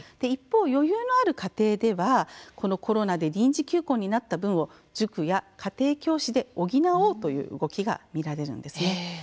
一方、余裕のある家庭ではコロナで臨時休校になった分を塾や家庭教師で補おうという動きが見られます。